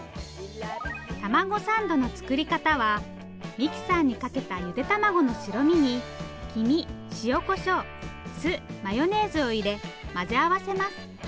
たまごサンドの作り方はミキサーにかけたゆでたまごの白身に黄身塩こしょう酢マヨネーズを入れ混ぜ合わせます。